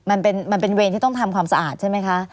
มันเป็นเวรที่ต้องทำความสะอาดใช่ไหมคะ